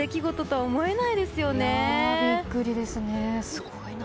すごいな。